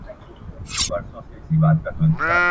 د لاس په گوتو کي لا هم فرق سته.